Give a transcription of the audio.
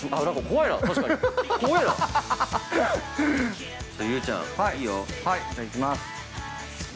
◆はい、じゃあ、いきます。